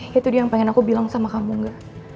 ya itu dia yang pengen aku bilang sama kamu gak